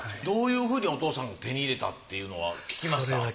どういうふうにお父さんが手に入れたっていうのは聞きました？